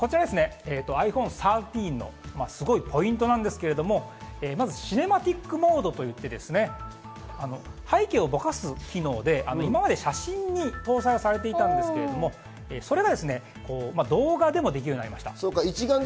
すごいポイントなんですけれどもまずはシネマティックモードと言って背景をぼかす機能で今まで写真に搭載されていたんですけれども、それが動画でもできるようになりました。